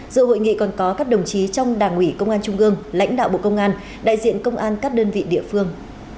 dự hội nghị còn có các đồng chí trong đảng ủy công an trung ương lãnh đạo bộ công an đại diện công an các đơn vị địa phương